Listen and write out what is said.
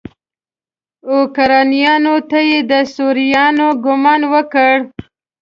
اوکرانیانو ته یې د سوريانو ګمان وکړ.